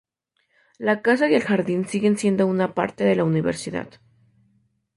La casa y el jardín siguen siendo una parte de la Universidad.